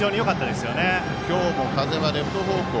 今日も風はレフト方向。